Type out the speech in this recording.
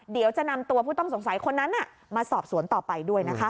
เดี๋ยวจะนำตัวผู้ต้องสงสัยคนนั้นมาสอบสวนต่อไปด้วยนะคะ